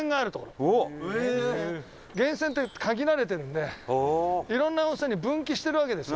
長嶋：源泉って限られてるんでいろんな温泉に分岐してるわけです。